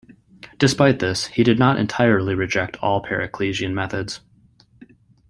Despite this, he did not entirely reject all Paracelsian methods.